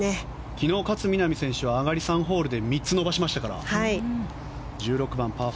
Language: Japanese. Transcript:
昨日、勝みなみ選手は上がり３ホールは３つ伸ばしましたから。